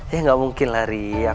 iya gak mungkin lah ri